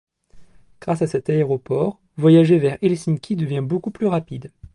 Grâce à cet aéroport, voyager vers Helsinki devint beaucoup plus rapide.